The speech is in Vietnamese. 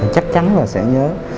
chắc chắn là sẽ nhớ